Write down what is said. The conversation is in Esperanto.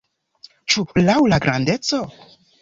Ĉu laŭ la grandeco?